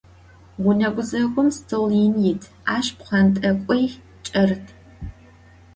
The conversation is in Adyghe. Vune guzegum stol yin yit, aş pxhent'ek'uix ç'erıt.